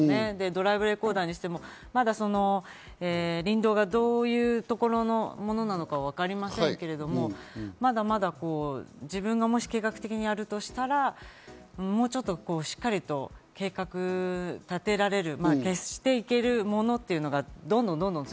ドライブレコーダにしても、林道がどういうところのものなのかはわかりませんけれども、まだ自分がもし計画的にやるとしたら、もうちょっとしっかりと計画を立てられる。